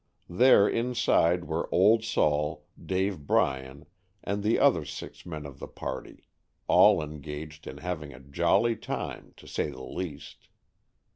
There inside were "Old Sol,'' Dave Bryan and the other six men of the party, all engaged in having a jolly time to say the least.